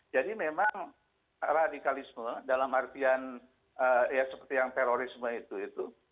jadi memang radikalisme dalam artian ya seperti yang terorisme itu itu